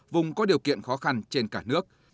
vùng có điều kiện khó khăn trên cả nước